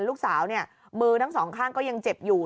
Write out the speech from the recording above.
ลูกสาวเนี่ยมือทั้งสองข้างก็ยังเจ็บอยู่